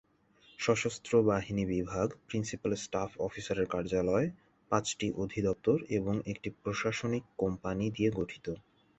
সশস্ত্র বাহিনী বিভাগ প্রিন্সিপাল স্টাফ অফিসারের কার্যালয়, পাঁচটি অধিদপ্তর এবং একটি প্রশাসনিক কোম্পানি দিয়ে গঠিত।